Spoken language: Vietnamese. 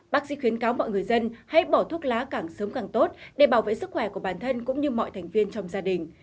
bác sĩ khuyến cáo mọi người dân hãy bỏ thuốc lá càng sớm càng tốt để bảo vệ sức khỏe của bản thân cũng như mọi thành viên trong gia đình